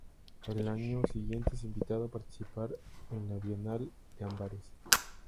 Al año siguiente es invitado a participar en la Bienal de Amberes.